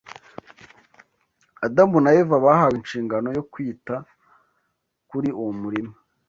Adamu na Eva bahawe inshingano yo kwita kuri uwo murima: